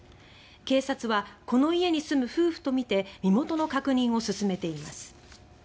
警察はこの家に住む夫婦とみて身元の確認を進めています。